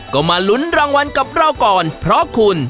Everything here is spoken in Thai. ก็มาลุ้นรางวัลกับเราก่อนเพราะคุณ